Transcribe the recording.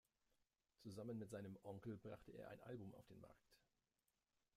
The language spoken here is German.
Zusammen mit seinem Onkel brachte er ein Album auf den Markt.